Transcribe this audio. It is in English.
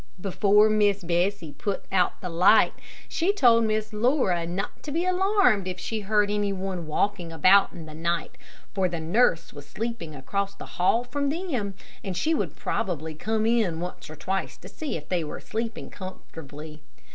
Before Miss Bessie put out the light, she told Miss Laura not to be alarmed if she heard any one walking about in the night, for the nurse was sleeping across the hall from them, and she would probably come in once or twice to see if they were sleeping comfortably.